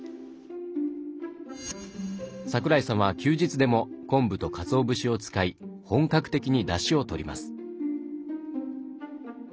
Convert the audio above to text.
桜井さんは休日でも昆布とかつお節を使い本格的にだしをとります。